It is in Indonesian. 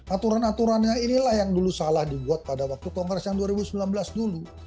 aturan aturannya inilah yang dulu salah dibuat pada waktu kongres yang dua ribu sembilan belas dulu